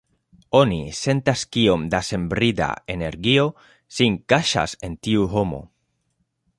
Oni sentas kiom da senbrida energio sin kaŝas en tiu homo.